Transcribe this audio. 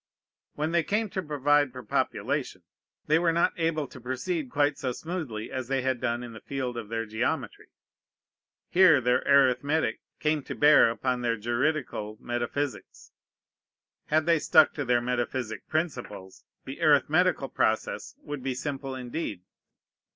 When they came to provide for population, they were not able to proceed quite so smoothly as they had done in the field of their geometry. Here their arithmetic came to bear upon their juridical metaphysics. Had they stuck to their metaphysic principles, the arithmetical process would be simple indeed.